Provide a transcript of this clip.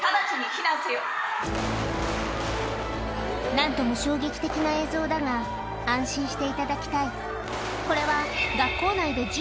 何とも衝撃的な映像だが安心していただきたい